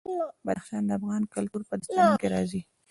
بدخشان د افغان کلتور په داستانونو کې راځي.